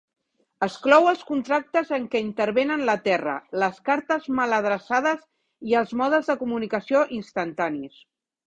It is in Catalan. Exclou els contractes en que intervenen la terra, les cartes mal adreçades i els modes de comunicació instantanis.